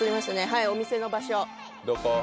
はいお店の場所